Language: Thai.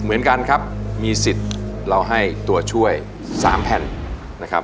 เหมือนกันครับมีสิทธิ์เราให้ตัวช่วย๓แผ่นนะครับ